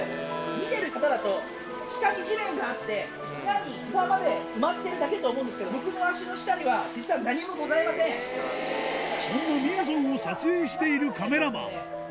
見てる方だと、下に地面があって、砂にひざまで埋まっているだけと思うんですけど、僕の足の下にはそんなみやぞんを撮影しているカメラマン。